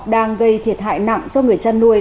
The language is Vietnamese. đang gây thiệt hại nặng cho người chăn nuôi